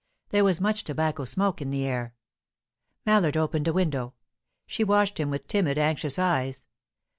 There was much tobacco smoke in the air; Mallard opened a window. She watched him with timid, anxious eyes.